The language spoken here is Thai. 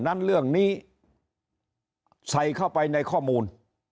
นั้นเรื่องนี้ใส่เข้าไปในข้อมูล